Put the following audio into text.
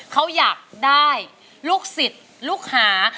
เขาอยากได้ลูกศิษย์ลูกหา